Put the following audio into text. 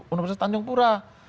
universitas tanjung pura